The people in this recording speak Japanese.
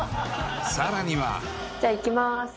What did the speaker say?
［さらには］じゃあいきまーす。